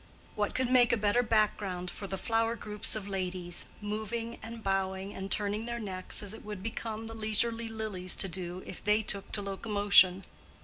What could make a better background for the flower groups of ladies, moving and bowing and turning their necks as it would become the leisurely lilies to do if they took to locomotion.